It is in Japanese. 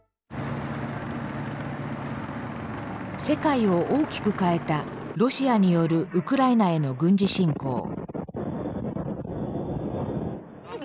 世界を大きく変えたロシアによるウクライナへの軍事侵攻。